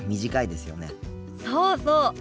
そうそう。